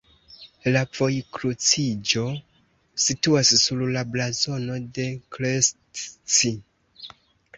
La vojkruciĝo situas sur la blazono de Krestci.